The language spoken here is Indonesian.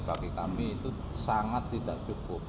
bagi kami itu sangat tidak cukup